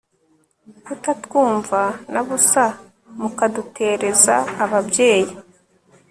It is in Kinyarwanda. kutatwumva na busa mukadutereza ababyeyi